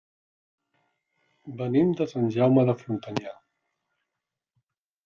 Venim de Sant Jaume de Frontanyà.